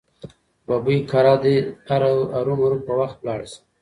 ببۍ کره دې هرو مرو په وخت لاړه شه.